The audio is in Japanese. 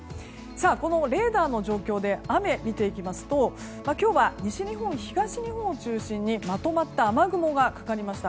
このレーダーの状況で雨を見ていきますと今日は西日本、東日本を中心にまとまった雨雲がかかりました。